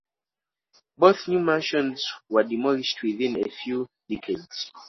Both new mansions were demolished within a few decades.